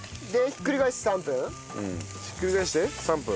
ひっくり返して３分。